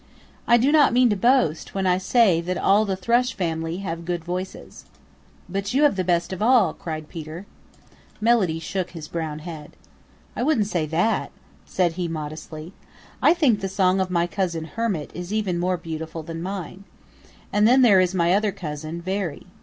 I do not mean to boast when I say that all the Thrush family have good voices." "But you have the best of all," cried Peter. Melody shook his brown head. "I wouldn't say that," said he modestly. "I think the song of my cousin Hermit, is even more beautiful than mine. And then there is my other cousin, Veery.